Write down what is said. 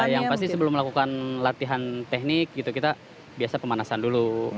yang pasti sebelum melakukan latihan teknik gitu kita biasa pemanasan dulu